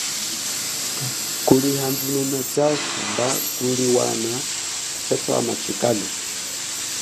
Kulihandununa tshashi mba kuliwana tshikalu.